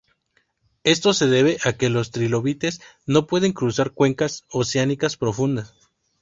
Esto se debe a que los trilobites no pueden cruzar cuencas oceánicas profundas.